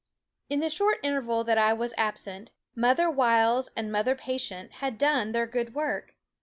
In the short interval that I was absent, mother wiles and mother patience had done their good work.